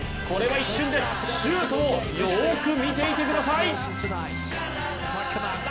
これは一瞬です、シュートをよーく見ていてください。